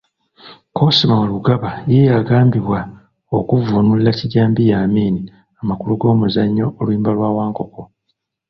Kosima Warugaba ye agambibwa okuvvuunulira Kijambiya Amin amakulu g'omuzannyo "Oluyimba lwa Wankoko".